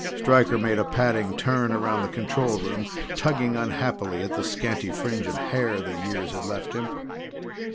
Stryker made a padding turn about the control room, tugging unhappily at the scanty fringe of hair the years had left him.